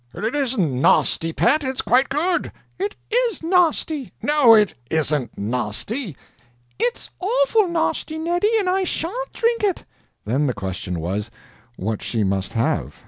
"It isn't nahsty, pet, it's quite good." "It IS nahsty." "No, it ISN'T nahsty." "It's Oful nahsty, Neddy, and I shahn't drink it." Then the question was, what she must have.